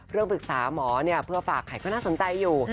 เรื่องปรึกษาหมอเนี่ยเพื่อฝากใครก็น่าสนใจอยู่